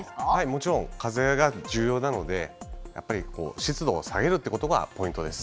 もちろん風が重要なので湿度を下げることがポイントです。